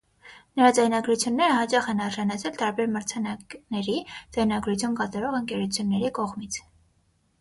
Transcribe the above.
Նրա ձայնագրությունները հաճախ են արժանացել տարբեր մրցանակների ձայնագրություն կատարող ընկերությունների կողմից։